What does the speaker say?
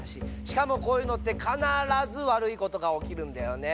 しかもこういうのってかならずわるいことがおきるんだよね。